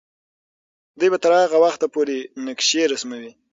دوی به تر هغه وخته پورې نقشې رسموي.